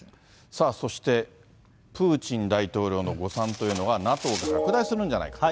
さあ、そしてプーチン大統領の誤算というのは、ＮＡＴＯが拡大するんじゃないかと。